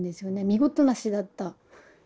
見事な死だった。